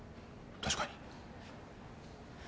確かに。